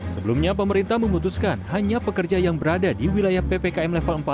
sebelumnya pemerintah memutuskan hanya pekerja yang berada di wilayah ppkm level empat